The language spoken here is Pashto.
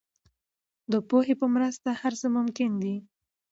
د پوهې په مرسته هر څه ممکن دي.